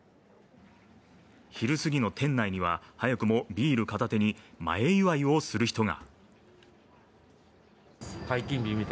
昼過ぎの店内には、早くもビール片手に前祝いをする人が。